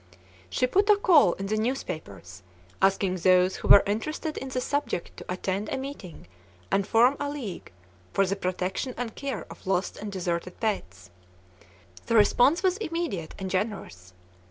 She put a call in the newspapers, asking those who were interested in the subject to attend a meeting and form a league for the protection and care of lost or deserted pets. The response was immediate and generous.